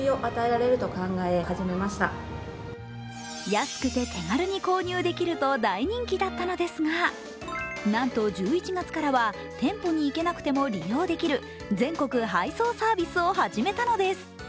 安くて手軽に購入できると大人気だったのですがなんと１１月からは、店舗に行けなくても利用できる、全国配送サービスを始めたのです。